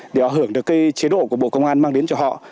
để họ hưởng được cái chế độ của bộ công an mang đến cho họ